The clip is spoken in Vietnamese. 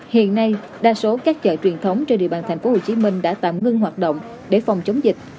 hiện nay đa số các chợ truyền thống trên địa bàn tp hcm đã tạm ngưng hoạt động để phòng chống dịch